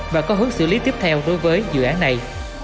và có hướng xử lý tiếp theo đối với dự án này